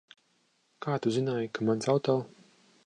Kā tu zināji, ka mans auto?